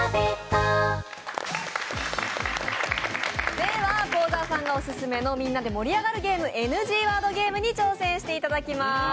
では、幸澤さんがオススメのみんなで盛り上がるゲーム、ＮＧワードゲームに挑戦していただきます。